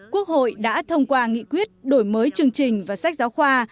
quốc hội đã thông qua nghị quyết đổi mới chương trình và sách giáo khoa